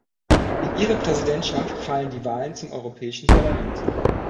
In Ihre Präsidentschaft fallen die Wahlen zum Europäischen Parlament.